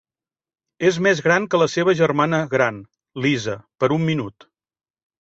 És més gran que la seva germana gran, Lisa, per un minut.